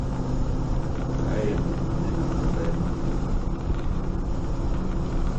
Ɔkaee me me nanabarima no.